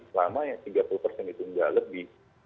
selama yang tiga puluh itu nggak lebih